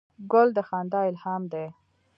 ګل د خندا الهام دی.